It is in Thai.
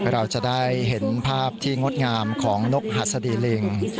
เราจะได้เห็นภาพที่งดงามของนกหัสดีลิง